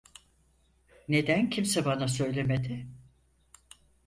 Neden kimse bana söylemedi?